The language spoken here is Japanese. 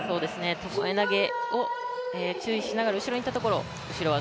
ともえ投げを注意しながら後ろにいったところを後ろ技。